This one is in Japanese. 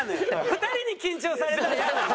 ２人に緊張されたらイヤなの！